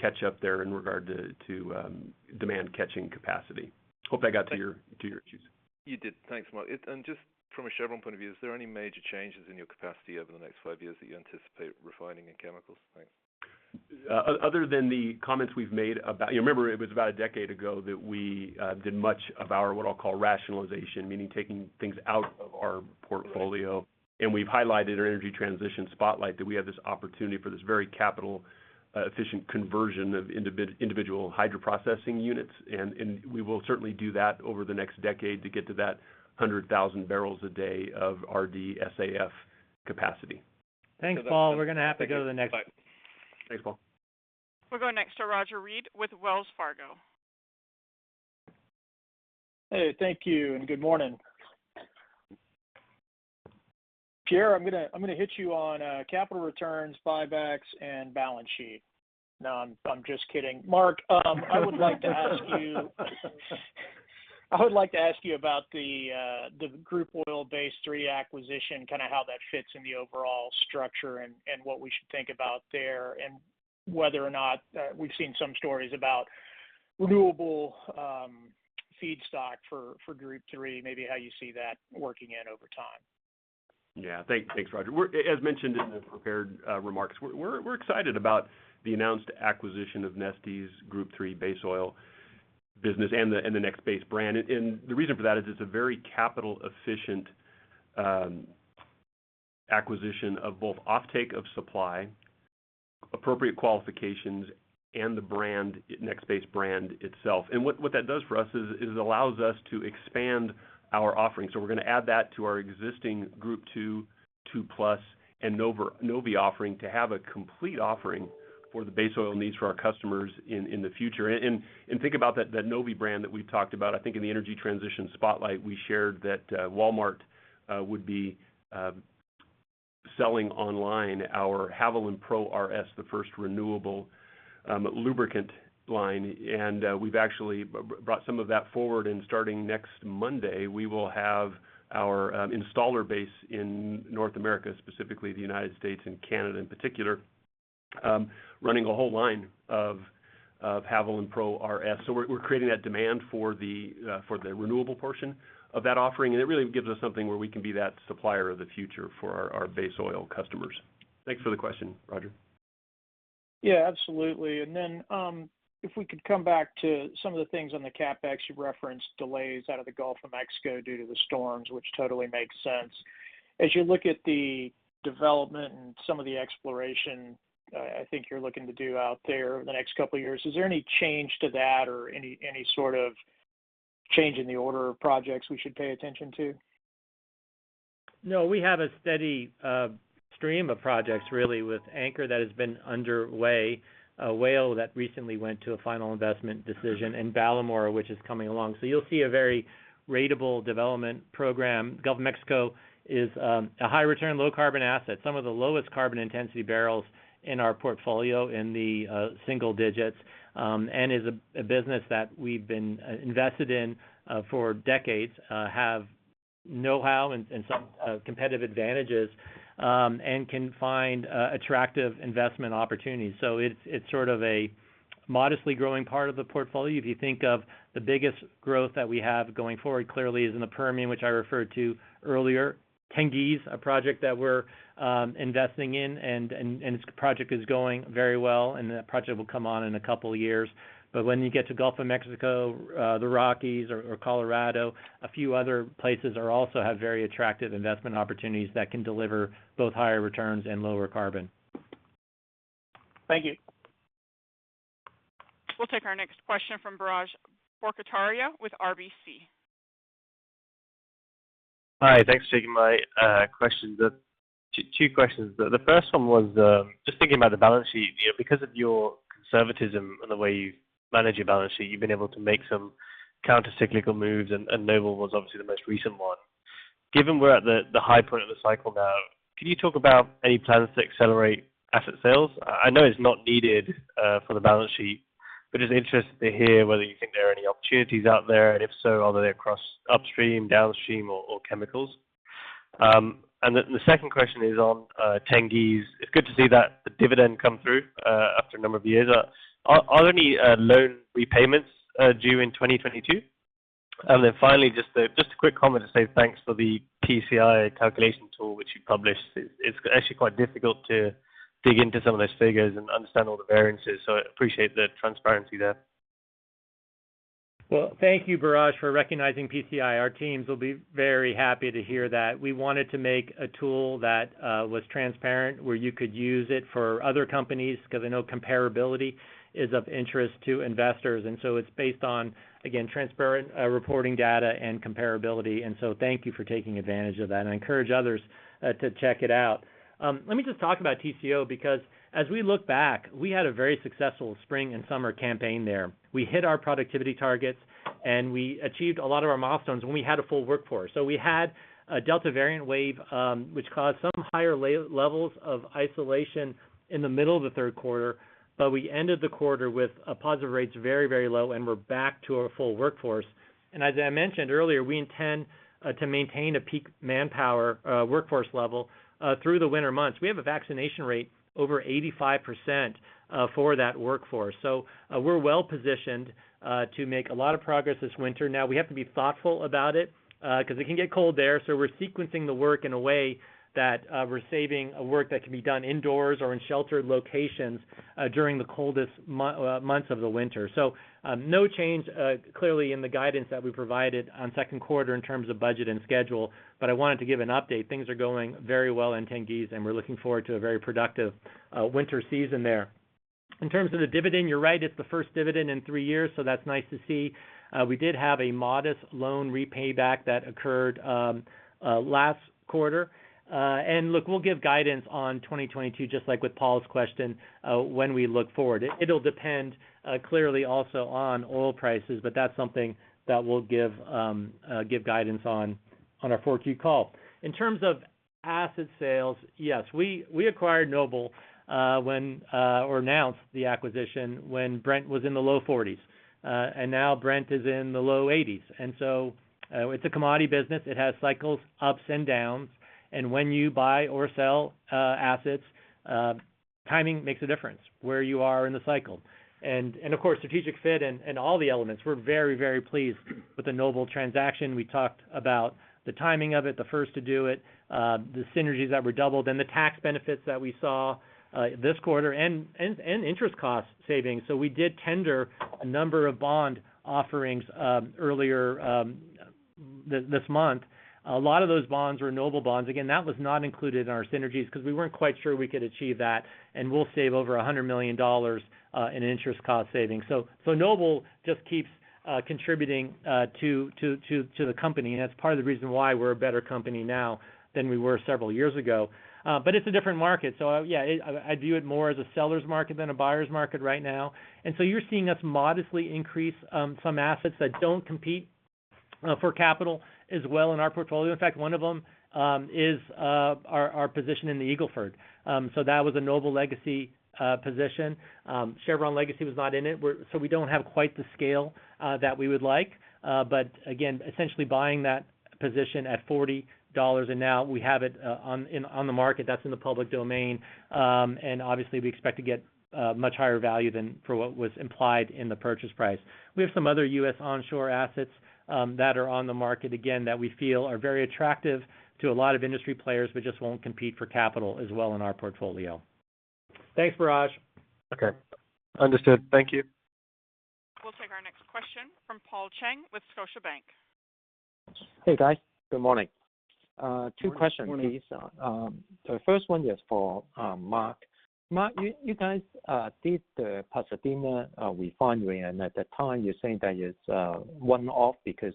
catch-up there in regard to demand-catching capacity. Hope I got to your issues. You did. Thanks, Mark. Just from a Chevron point of view, is there any major changes in your capacity over the next five years that you anticipate refining in chemicals? Thanks. Other than the comments we've made about, you know, remember, it was about a decade ago that we did much of our what I'll call rationalization, meaning taking things out of our portfolio. We've highlighted our energy transition spotlight, that we have this opportunity for this very capital efficient conversion of individual hydroprocessing units. We will certainly do that over the next decade to get to that 100,000 barrels a day of RD SAF capacity. Thanks, Paul. We're gonna have to go to the next- Thank you. Bye. Thanks, Paul. We'll go next to Roger Read with Wells Fargo. Hey, thank you, and good morning. Pierre, I'm gonna hit you on capital returns, buybacks, and balance sheet. No, I'm just kidding. Mark, I would like to ask you about the Group III base oil acquisition, kind of how that fits in the overall structure and what we should think about there, and whether or not we've seen some stories about renewable feedstock for Group III, maybe how you see that working over time. Thanks, Roger. As mentioned in the prepared remarks, we're excited about the announced acquisition of Neste's Group III base oil business and the NEXBASE brand. The reason for that is it's a very capital-efficient acquisition of both offtake of supply, appropriate qualifications, and the brand, NEXBASE brand itself. What that does for us is it allows us to expand our offerings. We're gonna add that to our existing Group II Plus, and Novvi offering to have a complete offering for the base oil needs for our customers in the future. Think about that Novvi brand that we've talked about. I think in the Energy Transition Spotlight, we shared that Walmart would be selling online our Havoline PRO-RS, the first renewable lubricant line. We've actually brought some of that forward, and starting next Monday, we will have our installer base in North America, specifically the United States and Canada in particular, running a whole line of Havoline PRO-RS. We're creating that demand for the renewable portion of that offering, and it really gives us something where we can be that supplier of the future for our base oil customers. Thanks for the question, Roger. Yeah, absolutely. Then, if we could come back to some of the things on the CapEx. You referenced delays out of the Gulf of Mexico due to the storms, which totally makes sense. As you look at the development and some of the exploration, I think you're looking to do out there over the next couple of years, is there any change to that or any sort of change in the order of projects we should pay attention to? No. We have a steady stream of projects really with Anchor that has been underway, Whale that recently went to a final investment decision. In Ballymore, which is coming along. You'll see a very ratable development program. Gulf of Mexico is a high return, low carbon asset. Some of the lowest carbon intensity barrels in our portfolio in the single digits, and is a business that we've been invested in for decades, have know-how and some competitive advantages, and can find attractive investment opportunities. It's sort of a modestly growing part of the portfolio. If you think of the biggest growth that we have going forward clearly is in the Permian, which I referred to earlier. Tengiz, a project that we're investing in and this project is going very well, and the project will come on in a couple of years. when you get to Gulf of Mexico, the Rockies or Colorado, a few other places are also have very attractive investment opportunities that can deliver both higher returns and lower carbon. Thank you. We'll take our next question from Biraj Borkhataria with RBC. Hi. Thanks for taking my question. Two questions. The first one was just thinking about the balance sheet. You know, because of your conservatism and the way you manage your balance sheet, you've been able to make some counter-cyclical moves, and Noble was obviously the most recent one. Given we're at the high point of the cycle now, can you talk about any plans to accelerate asset sales? I know it's not needed for the balance sheet, but just interested to hear whether you think there are any opportunities out there, and if so, are they across upstream, downstream or chemicals? The second question is on Tengiz. It's good to see that the dividend come through after a number of years. Are there any loan repayments due in 2022? Finally, just a quick comment to say thanks for the PCI calculation tool which you published. It's actually quite difficult to dig into some of those figures and understand all the variances, so I appreciate the transparency there. Well, thank you, Biraj, for recognizing PCI. Our teams will be very happy to hear that. We wanted to make a tool that was transparent, where you could use it for other companies, 'cause I know comparability is of interest to investors. It's based on, again, transparent reporting data and comparability. Thank you for taking advantage of that, and I encourage others to check it out. Let me just talk about Tengizchevroil because as we look back, we had a very successful spring and summer campaign there. We hit our productivity targets, and we achieved a lot of our milestones when we had a full workforce. We had a Delta variant wave, which caused some higher levels of isolation in the middle of the third quarter, but we ended the quarter with positive rates very, very low, and we're back to our full workforce. As I mentioned earlier, we intend to maintain a peak manpower workforce level through the winter months. We have a vaccination rate over 85% for that workforce. We're well-positioned to make a lot of progress this winter. Now, we have to be thoughtful about it, 'cause it can get cold there, so we're sequencing the work in a way that we're saving work that can be done indoors or in sheltered locations during the coldest months of the winter. No change clearly in the guidance that we provided on second quarter in terms of budget and schedule, but I wanted to give an update. Things are going very well in Tengiz, and we're looking forward to a very productive winter season there. In terms of the dividend, you're right, it's the first dividend in three years, so that's nice to see. We did have a modest loan repayment that occurred last quarter. Look, we'll give guidance on 2022, just like with Paul's question, when we look forward. It'll depend clearly also on oil prices, but that's something that we'll give guidance on our 4Q call. In terms of asset sales, yes. We acquired Noble when or announced the acquisition when Brent was in the low $40s. Now Brent is in the low 80s. It's a commodity business. It has cycles, ups and downs, and when you buy or sell assets, timing makes a difference, where you are in the cycle. Of course, strategic fit and all the elements. We're very pleased with the Noble transaction. We talked about the timing of it, the first to do it, the synergies that were doubled and the tax benefits that we saw this quarter and interest cost savings. We did tender a number of bond offerings earlier this month. A lot of those bonds were Noble bonds. Again, that was not included in our synergies 'cause we weren't quite sure we could achieve that, and we'll save over $100 million in interest cost savings. Noble just keeps contributing to the company, and that's part of the reason why we're a better company now than we were several years ago. It's a different market. Yeah, I view it more as a seller's market than a buyer's market right now. You're seeing us modestly increase some assets that don't compete for capital as well in our portfolio. In fact, one of them is our position in the Eagle Ford. That was a Noble legacy position. Chevron legacy was not in it. We don't have quite the scale that we would like. Again, essentially buying that position at $40, and now we have it on the market. That's in the public domain. Obviously, we expect to get much higher value than for what was implied in the purchase price. We have some other U.S. onshore assets that are on the market, again, that we feel are very attractive to a lot of industry players but just won't compete for capital as well in our portfolio. Thanks, Biraj. Okay. Understood. Thank you. We'll take our next question from Paul Cheng with Scotiabank. Hey, guys. Good morning. Two questions, please. Morning. The first one is for Mark. Mark, you guys did the Pasadena refinery, and at that time you're saying that it's one-off because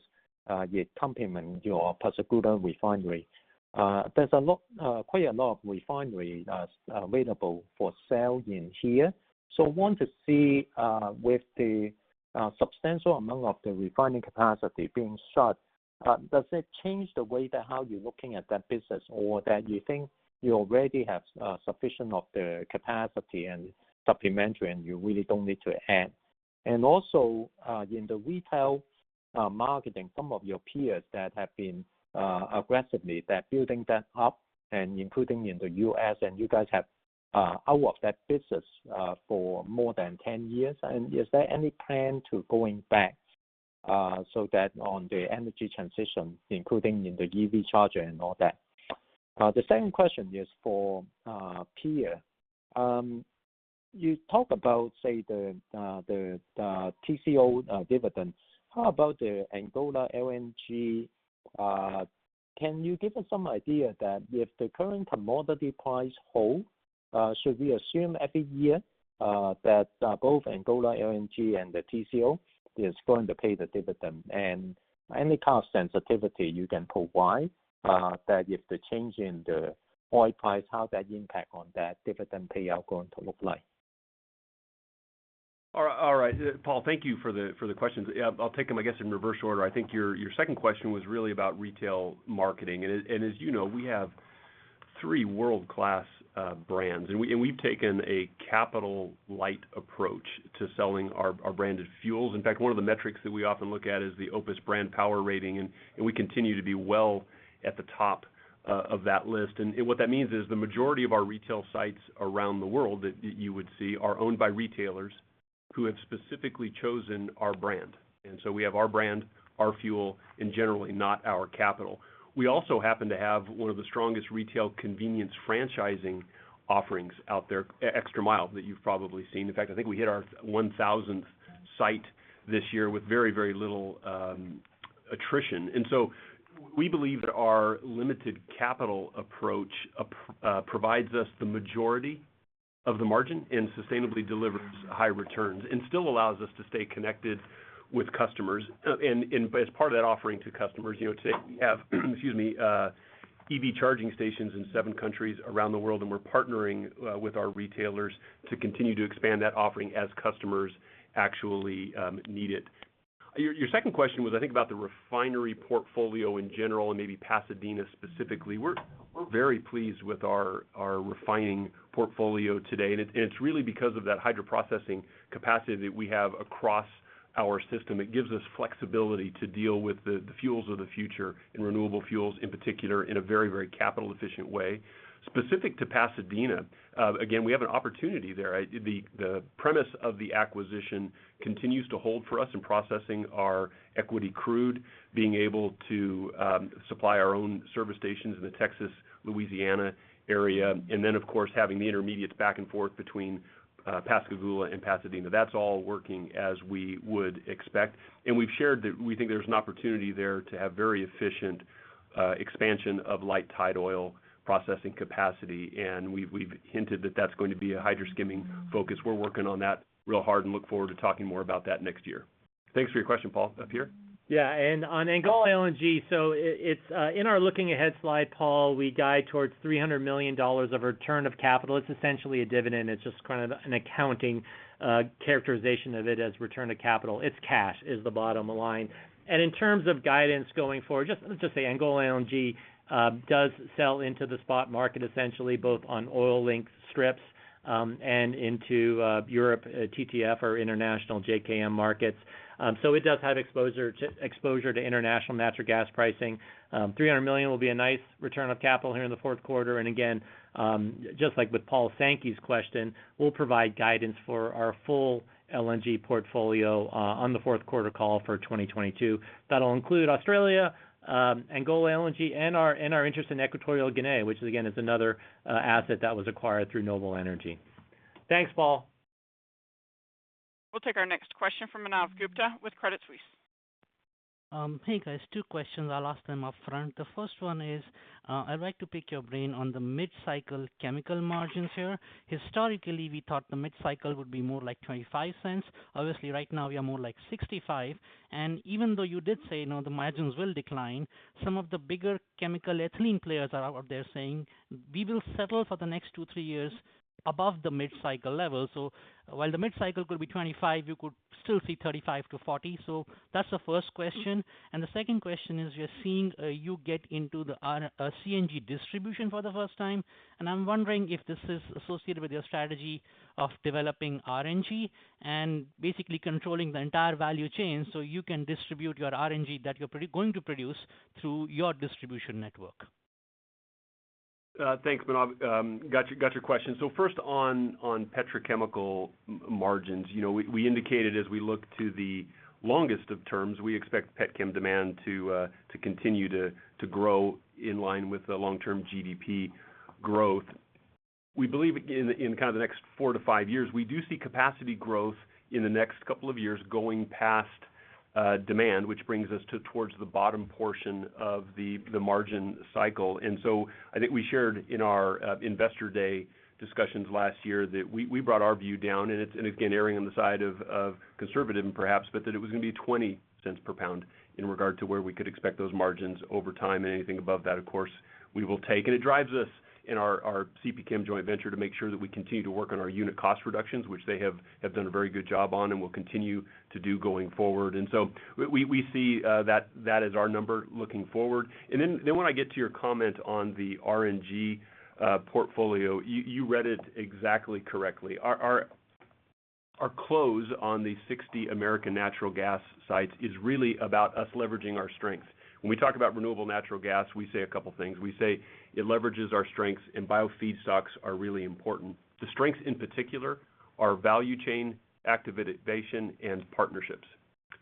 you're complement your Pascagoula refinery. There's a lot, quite a lot of refinery available for sale in here. Want to see, with the substantial amount of the refining capacity being shut, does it change the way that how you're looking at that business? Or that you think you already have sufficient of the capacity and supplementary and you really don't need to add? And also, in the retail marketing, some of your peers that have been aggressively; they're building that up and including in the U.S., and you guys have been out of that business for more than 10 years. Is there any plan to going back, so that on the energy transition, including in the EV charger and all that? The second question is for Pierre. You talk about, say, the Tengizchevroil dividend. How about the Angola LNG, can you give us some idea that if the current commodity price hold, should we assume every year that both Angola LNG and the Tengizchevroil is going to pay the dividend? And any kind of sensitivity you can provide, that if the change in the oil price, how that impact on that dividend payout going to look like? All right. Paul, thank you for the questions. Yeah, I'll take them, I guess, in reverse order. I think your second question was really about retail marketing. As you know, we have three world-class brands. We've taken a capital light approach to selling our branded fuels. In fact, one of the metrics that we often look at is the Opus Brand Power rating, and we continue to be well at the top of that list. What that means is the majority of our retail sites around the world that you would see are owned by retailers who have specifically chosen our brand. We have our brand, our fuel, and generally not our capital. We also happen to have one of the strongest retail convenience franchising offerings out there, ExtraMile, that you've probably seen. In fact, I think we hit our 1,000th site this year with very, very little attrition. We believe that our limited capital approach provides us the majority of the margin and sustainably delivers high returns and still allows us to stay connected with customers. As part of that offering to customers, you know, today we have EV charging stations in seven countries around the world, and we're partnering with our retailers to continue to expand that offering as customers actually need it. Your second question was, I think, about the refinery portfolio in general and maybe Pasadena specifically. We're very pleased with our refining portfolio today, and it's really because of that hydroprocessing capacity that we have across our system. It gives us flexibility to deal with the fuels of the future, and renewable fuels in particular, in a very capital-efficient way. Specific to Pasadena, again, we have an opportunity there. The premise of the acquisition continues to hold for us in processing our equity crude, being able to supply our own service stations in the Texas-Louisiana area, and then, of course, having the intermediates back and forth between Pascagoula and Pasadena. That's all working as we would expect. We've shared that we think there's an opportunity there to have very efficient expansion of light tide oil processing capacity, and we've hinted that that's going to be a hydroskimming focus. We're working on that real hard and look forward to talking more about that next year. Thanks for your question, Paul. Pierre? Yeah, on Angola LNG, it's in our looking-ahead slide, Paul. We guide towards $300 million of return of capital. It's essentially a dividend. It's just kind of an accounting characterization of it as return of capital. It's cash, is the bottom line. In terms of guidance going forward, just say Angola LNG does sell into the spot market essentially both on oil-linked strips and into Europe, TTF or international JKM markets. It does have exposure to international natural gas pricing. $300 million will be a nice return of capital here in the fourth quarter. Again, just like with Paul Sankey's question, we'll provide guidance for our full LNG portfolio on the fourth quarter call for 2022. That'll include Australia, Angola LNG and our interest in Equatorial Guinea, which again is another asset that was acquired through Noble Energy. Thanks, Paul. We'll take our next question from Manav Gupta with Credit Suisse. Hey guys, two questions. I'll ask them upfront. The first one is, I'd like to pick your brain on the mid-cycle chemical margins here. Historically, we thought the mid-cycle would be more like $0.25. Obviously, right now you're more like $0.65. Even though you did say, you know, the margins will decline, some of the bigger chemical ethylene players are out there saying we will settle for the next two, three years above the mid-cycle level. While the mid-cycle could be $0.25, you could still see $0.35-$0.40. That's the first question. The second question is we're seeing you get into the CNG distribution for the first time, and I'm wondering if this is associated with your strategy of developing RNG and basically controlling the entire value chain so you can distribute your RNG that you're going to produce through your distribution network. Thanks, Manav. Got your question. First on petrochemical margins. You know, we indicated as we look to the longest of terms, we expect petchem demand to continue to grow in line with the long-term GDP growth. We believe in kind of the next 4-5 years, we do see capacity growth in the next couple of years going past demand, which brings us towards the bottom portion of the margin cycle. I think we shared in our investor day discussions last year that we brought our view down, and again, erring on the side of conservative perhaps, but that it was gonna be $0.20 per pound in regard to where we could expect those margins over time. Anything above that, of course, we will take. It drives us in our CPChem joint venture to make sure that we continue to work on our unit cost reductions, which they have done a very good job on and will continue to do going forward. We see that as our number looking forward. When I get to your comment on the RNG portfolio, you read it exactly correctly. Our close on the 60 American Natural Gas sites is really about us leveraging our strength. When we talk about renewable natural gas, we say a couple things. We say it leverages our strengths and biofeedstocks are really important. The strengths in particular are value chain, active innovation and partnerships.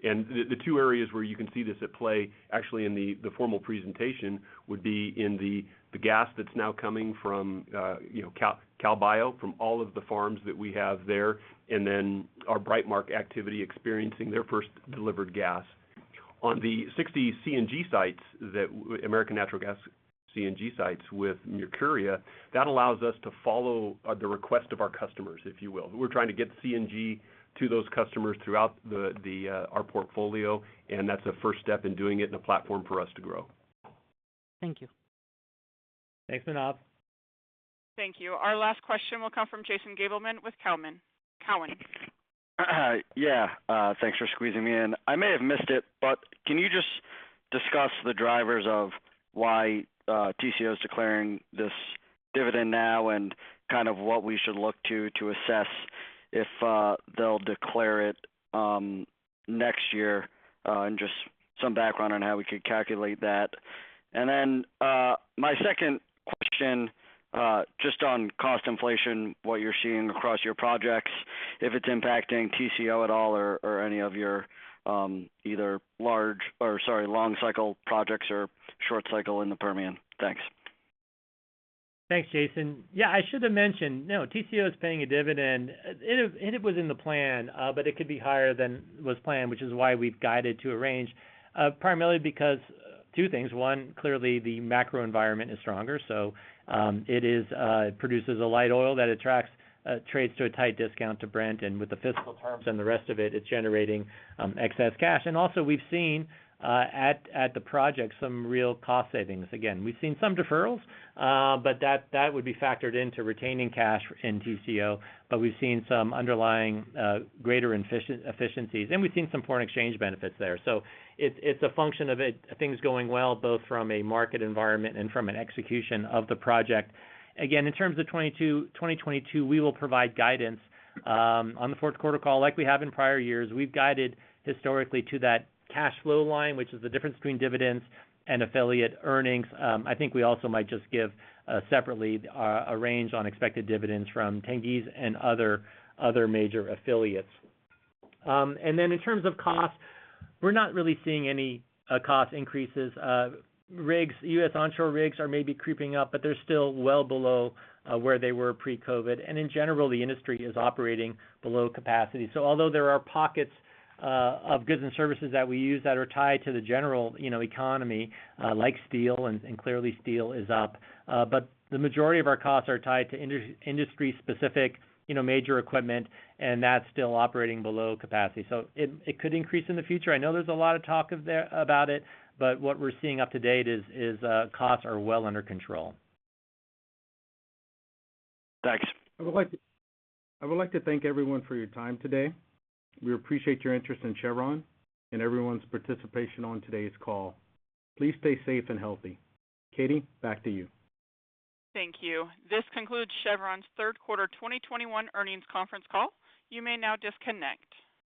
The two areas where you can see this at play actually, in the formal presentation would be in the gas that's now coming from CalBio from all of the farms that we have there, and then our Brightmark activity experiencing their first delivered gas. On the 60 CNG sites that American Natural Gas CNG sites with Mercuria, that allows us to follow the request of our customers, if you will. We're trying to get CNG to those customers throughout our portfolio, and that's the first step in doing it and a platform for us to grow. Thank you. Thanks, Manav. Thank you. Our last question will come from Jason Gabelman with Cowen. Yeah. Thanks for squeezing me in. I may have missed it, but can you just discuss the drivers of why Tengizchevroil's declaring this dividend now and kind of what we should look to assess if they'll declare it next year, and just some background on how we could calculate that. My second question, just on cost inflation, what you're seeing across your projects, if it's impacting Tengizchevroil at all or any of your either large or, sorry, long cycle projects or short cycle in the Permian. Thanks. Thanks, Jason. Yeah, I should have mentioned, you know, Tengizchevroil is paying a dividend. It was in the plan, but it could be higher than was planned, which is why we've guided to a range, primarily because two things. One, clearly the macro environment is stronger. It produces a light oil that attracts trades to a tight discount to Brent. And with the fiscal terms and the rest of it's generating excess cash. And also we've seen at the project some real cost savings. Again, we've seen some deferrals, but that would be factored into retaining cash in Tengizchevroil. But we've seen some underlying greater efficiencies, and we've seen some foreign exchange benefits there. It's a function of things going well, both from a market environment and from an execution of the project. Again, in terms of 2022, we will provide guidance on the fourth quarter call like we have in prior years. We've guided historically to that cash flow line, which is the difference between dividends and affiliate earnings. I think we also might just give separately a range on expected dividends from Tengiz and other major affiliates. In terms of costs, we're not really seeing any cost increases. Rigs; U.S. onshore rigs are maybe creeping up, but they're still well below where they were pre-COVID. In general, the industry is operating below capacity. Although there are pockets of goods and services that we use that are tied to the general, you know, economy, like steel and clearly steel is up, but the majority of our costs are tied to industry-specific, you know, major equipment, and that's still operating below capacity. It could increase in the future. I know there's a lot of talk about it, but what we're seeing up to date is costs are well under control. Thanks. I would like to thank everyone for your time today. We appreciate your interest in Chevron and everyone's participation on today's call. Please stay safe and healthy. Katy, back to you. Thank you. This concludes Chevron's third quarter 2021 earnings conference call. You may now disconnect.